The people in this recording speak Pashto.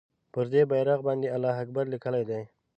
پر دې بېرغ باندې الله اکبر لیکلی دی.